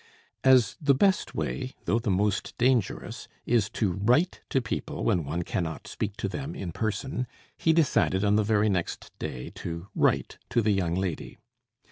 As the best way, though the most dangerous, is to write to people when one cannot speak to them in person, he decided on the very next day to write to the young lady.